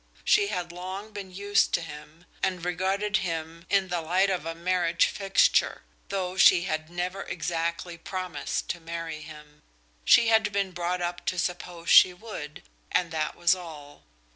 She had long been used to him, and regarded him in the light of a marriage fixture, though she had never exactly promised to marry him; she had been brought up to suppose she would, and that was all.